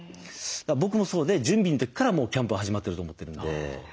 僕もそうで準備の時からもうキャンプは始まってると思ってるんで。